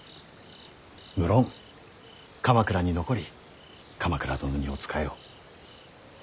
無論鎌倉に残り鎌倉殿にお仕えを。